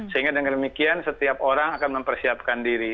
sehingga dengan demikian setiap orang akan mempersiapkan diri